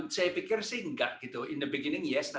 saya pikir sih tidak gitu